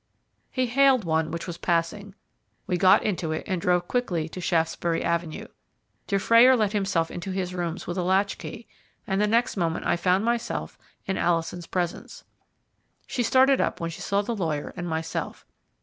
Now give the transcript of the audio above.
He hailed one which was passing; we got into it and drove quickly to Shaftesbury Avenue. Dufrayer let himself in to his rooms with a latchkey, and the next moment I found myself in Alison's presence. She started up when she saw the lawyer and myself.